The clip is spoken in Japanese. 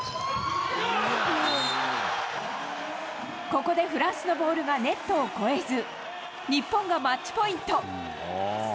ここでフランスのボールがネットを越えず、日本がマッチポイント。